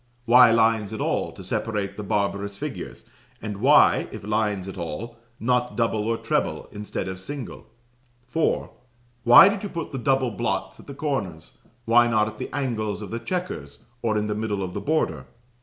Why lines at all to separate the barbarous figures; and why, if lines at all, not double or treble instead of single? "4. Why did you put the double blots at the corners? Why not at the angles of the chequers, or in the middle of the border?